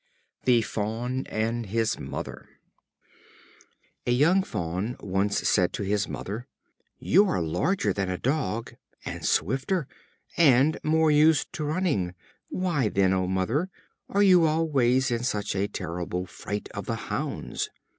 The Fawn and his Mother. A young Fawn once said to his mother: "You are larger than a dog, and swifter, and more used to running; why, then, O Mother! are you always in such a terrible fright of the hounds?"